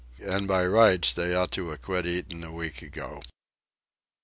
And by rights they ought to a quit eatin' a week ago."